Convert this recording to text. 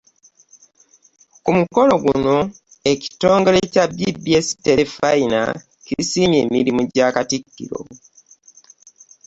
Ku mukolo guno, ekitongole kya BBS Terefayina kisiimye emirimu gya Katikkiro